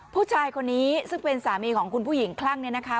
ผู้ชายคนนี้ซึ่งเป็นสามีของคุณผู้หญิงคลั่งเนี่ยนะคะ